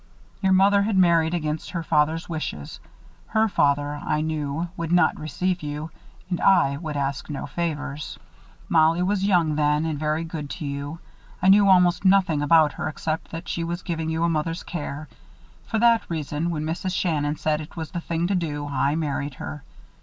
Your mother had married against her father's wishes. Her father, I knew, would not receive you; and I would ask no favors. "Mollie was young then and very good to you. I knew almost nothing about her except that she was giving you a mother's care. For that reason, when Mrs. Shannon said it was the thing to do, I married her.